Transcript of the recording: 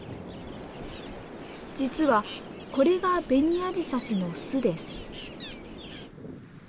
実はこれがベニアジサシの巣です。